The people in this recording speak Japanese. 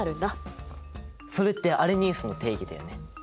それってアレニウスの定義だよね。